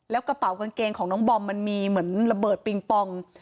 แล้วกระเป๋ากางเกงของน้องบอมมันมีเหมือนระเบิดปิงปอง